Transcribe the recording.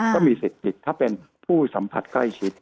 ก็มีสิทธิ์ติดถ้าเป็นผู้สัมผัสใกล้ชิด